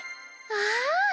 ああ！